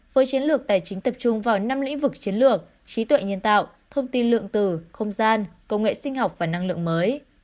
với chiến lược tài chính tập trung vào năm lĩnh vực chiến lược trí tuệ nhân tạo thông tin lượng từ không gian công nghệ sinh học và năng lượng mới